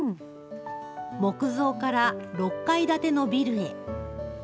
木造から６階建てのビルへ。